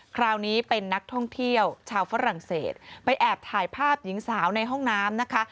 คราวนี้เป็นนักท่องเที่ยวชาวฝรั่งเศสไปแอบถ่ายภาพหญิงสาวในห้องน้ำนะคะ